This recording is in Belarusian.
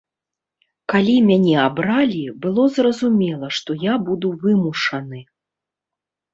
Калі мяне абралі, было зразумела, што я буду вымушаны!